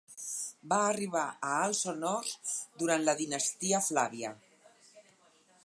Va arribar a alts honors durant la dinastia Flàvia.